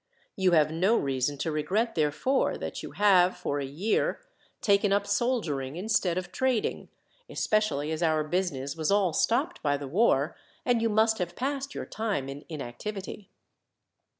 You have no reason to regret, therefore, that you have, for a year, taken up soldiering instead of trading, especially as our business was all stopped by the war, and you must have passed your time in inactivity."